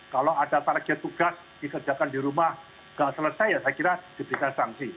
kalau ada target tugas dikerjakan di rumah nggak selesai ya saya kira diberikan sanksi